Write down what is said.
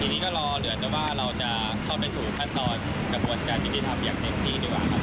ทีนี้ก็รอเหลือแต่ว่าเราจะเข้าไปสู่ขั้นตอนกระบวนการยุติธรรมอย่างเต็มที่ดีกว่าครับ